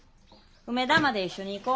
梅田まで一緒に行こ。